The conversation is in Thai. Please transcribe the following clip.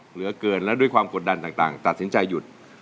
เหลือเกินและด้วยความกดดันต่างตัดสินใจหยุด